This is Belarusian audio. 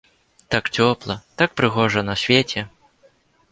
Так цёпла, так прыгожа на свеце!